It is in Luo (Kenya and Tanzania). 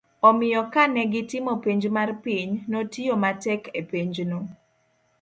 omiyo kane gitimo penj mar piny, notiyo matek e penjno